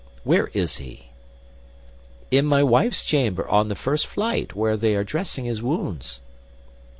Where is he?" "In my wife's chamber, on the first flight, where they are dressing his wounds."